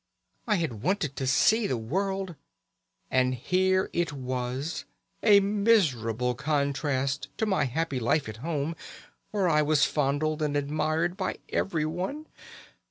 I had wanted to see the world, and here it was, a miserable contrast to my happy life at home, where I was fondled and admired by everyone.